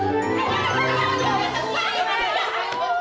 eh kamu tarik tarik